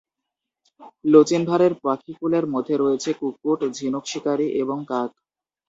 লোচিনভারের পাখিকুলের মধ্যে রয়েছে কুক্কুট, ঝিনুক শিকারি এবং কাক।